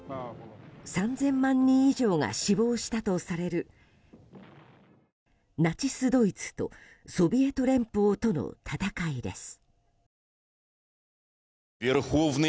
３０００万人以上が死亡したとされるナチスドイツとソビエト連邦との戦いです。